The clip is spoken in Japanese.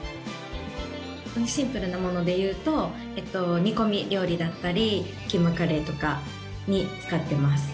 シンプルなもので言うと煮込み料理だったりキーマカレーとかに使っています。